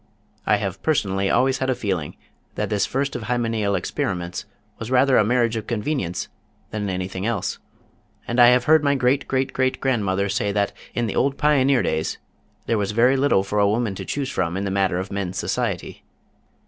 I have personally always had a feeling that this first of hymeneal experiments was rather a marriage of convenience than anything else, and I have heard my great great great grandmother say that in the old pioneer days there was very little for a woman to choose from in the matter of men's society.